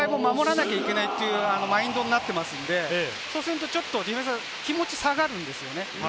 ドライブしたことによって、相手もドライブを守らなきゃいけないっていうマインドになっていますので、そうするとディフェンスが気持ち下がるんですよね。